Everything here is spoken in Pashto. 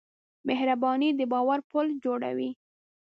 مهرباني د باور پُل جوړوي.